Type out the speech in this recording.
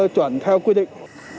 chuẩn theo quy định